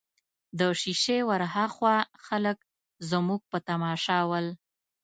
د شېشې ورهاخوا خلک زموږ په تماشه ول.